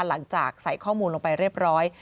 หลังจากใส่ข้อมูลลงไปเรียบร้อย